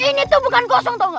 ini tuh bukan gosong tau gak